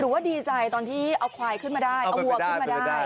ว่าดีใจตอนที่เอาควายขึ้นมาได้เอาวัวขึ้นมาได้